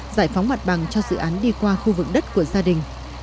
giải phóng mặt bằng cho dự án đi qua khu vực đất của gia đình